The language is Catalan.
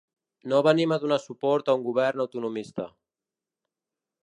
No venim a donar suport a un govern autonomista.